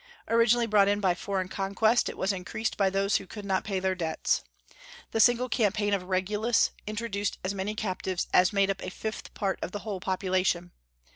Originally brought in by foreign conquest, it was increased by those who could not pay their debts. The single campaign of Regulus introduced as many captives as made up a fifth part of the whole population.